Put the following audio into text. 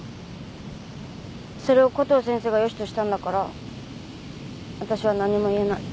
それをコトー先生がよしとしたんだからわたしは何も言えない。